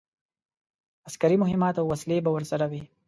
عسکري مهمات او وسلې به ورسره وي.